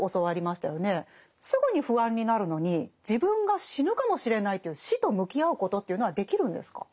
すぐに不安になるのに自分が死ぬかもしれないという死と向き合うことというのはできるんですか？